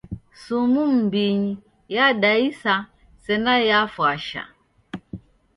Sumu m'mbinyi yadaisa sena yafwasha.